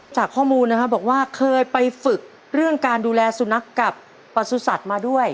จากข้อมูลนะครับบอกว่าเคยไปฝึกเรื่องการดูแลสุนัขกับประสุทธิ์มาด้วย